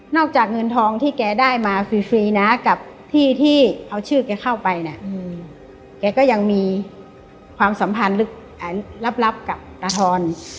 จากเงินทองที่แกได้มาฟรีนะกับที่ที่เอาชื่อแกเข้าไปเนี่ยแกก็ยังมีความสัมพันธ์ลึกลับกับตาทอน